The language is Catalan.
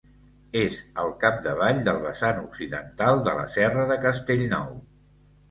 És al capdavall del vessant occidental de la Serra de Castellnou.